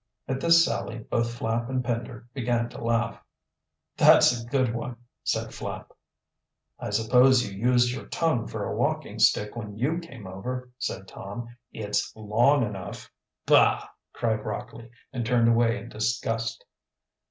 At this sally both Flapp and Pender began to laugh. "That's a good one," said Flapp. "I suppose you used your tongue for a walking stick when you came over," said Tom. "It's long enough." "Bah!" cried Rockley, and turned away in disgust.